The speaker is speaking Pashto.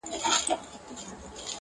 • په مطبوعاتو کي رپوټونه -